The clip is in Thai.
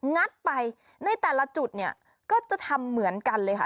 งัดไปในแต่ละจุดเนี่ยก็จะทำเหมือนกันเลยค่ะ